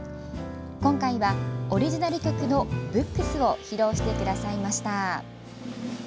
今回は、オリジナル曲の「Ｂｏｏｋｓ」を披露してくださいました。